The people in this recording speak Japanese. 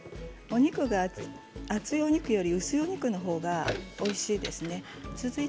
お肉は薄いお肉の方がおいしいですね。